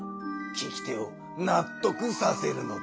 聞き手をなっとくさせるのだ。